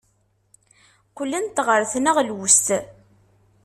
Qqlent ɣer tneɣlust.